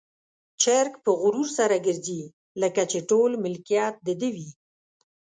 چرګ په غرور سره ګرځي، لکه چې ټول ملکيت د ده وي.